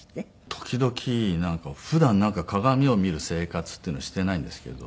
時々普段なんか鏡を見る生活っていうのしていないんですけど。